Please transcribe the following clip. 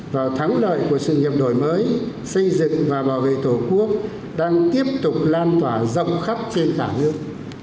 vào thắng lợi của sự nghiệp đổi mới xây dựng và bảo vệ tổ quốc đang tiếp tục lan tỏa rộng khắp trên cả nước